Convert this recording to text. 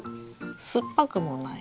酸っぱくもない？